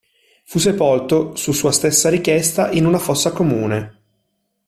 Fu sepolto, su sua stessa richiesta, in una fossa comune.